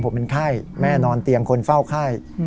ผมเป็นไข้แม่นอนเตียงคนเฝ้าไข้